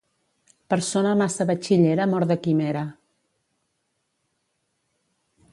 Persona massa batxillera mor de quimera.